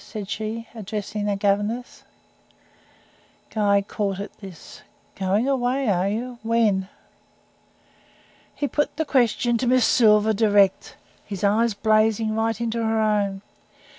said she, addressing the governess. Guy caught at this. "Going away, are you? When?" He put the question to Miss Silver direct his eyes blazing right into her own.